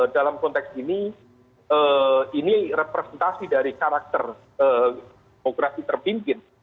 dalam konteks ini ini representasi dari karakter demokrasi terpimpin